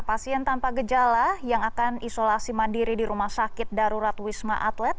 pasien tanpa gejala yang akan isolasi mandiri di rumah sakit darurat wisma atlet